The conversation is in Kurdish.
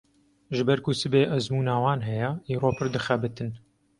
Ji ber ku sibê ezmûna wan heye, îro pir dixebitin.